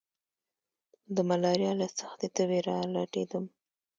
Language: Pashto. د ملاريا له سختې تبي را لټېدم.